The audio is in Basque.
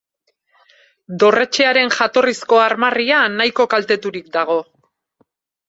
Dorretxearen jatorrizko armarria nahiko kalteturik dago.